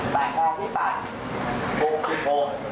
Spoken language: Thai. ประชาธิปัตย์๖๖